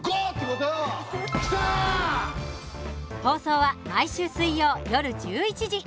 放送は毎週水曜、夜１１時。